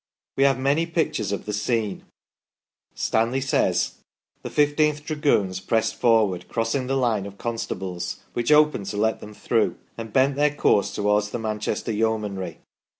We have many pictures of the scene. Stanley says :" The 1 5th Dragoons pressed forward, crossing the line of constables, which opened to let them through, and bent their course towards the Man chester Yeomanry.